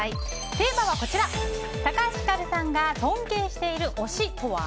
テーマは、高橋ひかるさんが尊敬している推しとは？